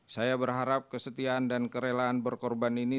saya berharap kesetiaan dan kerelaan berkorban ini